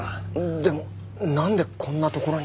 でもなんでこんな所に？